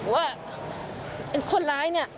ว่าเป็นคนไร้